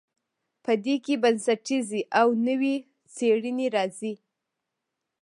په دې کې بنسټیزې او نوې څیړنې راځي.